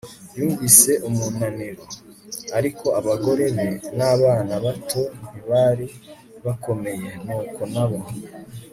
yumvise umunaniro. ariko abagore be nabana bato ntibari bakomeye, nuko nabo